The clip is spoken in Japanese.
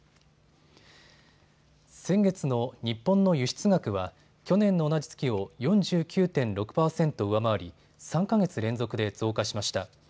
先月の日本の輸出額は去年の同じ月を４９．６％上回り３か月連続で増加しました。